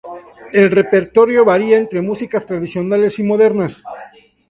El repertorio varía entre músicas tradicionales y modernas.